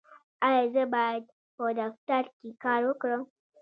ایا زه باید په دفتر کې کار وکړم؟